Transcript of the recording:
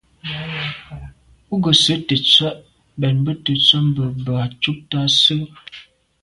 Û gə̄ sə̂' tə̀tswə́' mbɛ̂n bə̂ tə̀tswə́' mbə̄ bə̀k à' cúptə́ â sə́.